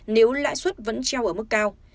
nếu lãi suất vẫn treo ở mức cao